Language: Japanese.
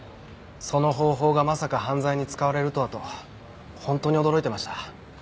その方法がまさか犯罪に使われるとはと本当に驚いてました。